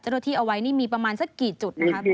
เอาไว้นี่มีประมาณสักกี่จุดนะคะ